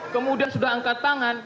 kemudian sudah angkat tangan